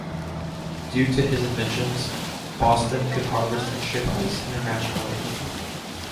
Due to his inventions, Boston could harvest and ship ice internationally.